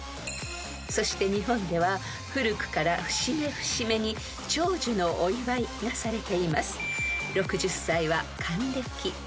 ［そして日本では古くから節目節目に長寿のお祝いがされています］